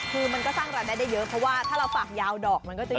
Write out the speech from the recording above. คือมันก็สร้างรายได้ได้เยอะเพราะว่าถ้าเราฝากยาวดอกมันก็จะเยอะ